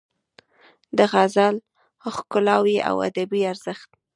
د غزل ښکلاوې او ادبي ارزښت